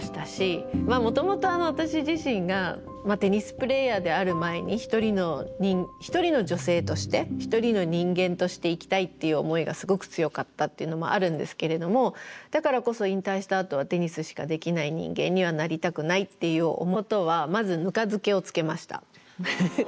もともと私自身がテニスプレーヤーである前に一人の女性として一人の人間として生きたいっていう思いがすごく強かったっていうのもあるんですけれどもだからこそ引退したあとはテニスしかできない人間にはなりたくないっていう思いからいろんなことをとにかくやり始めて。